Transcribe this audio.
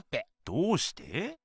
どうして？